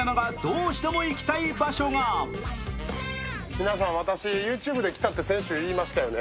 皆さん、私、ＹｏｕＴｕｂｅで来たって先週言いましたよね。